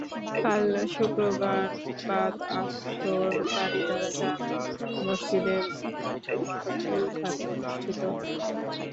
কাল শুক্রবার বাদ আসর বারিধারা জামে মসজিদে মরহুমার কুলখানি অনুষ্ঠিত হবে।